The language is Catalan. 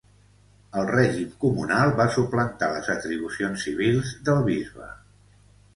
El règim comunal va suplantar les atribucions civils del bisbe.